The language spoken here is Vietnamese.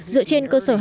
dựa trên cơ sở hai bên